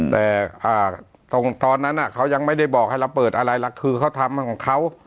แต่ตอนนั้นเขายังไม่ได้บอกให้เราเปิดอะไรหรอกคือเขาทำของเขา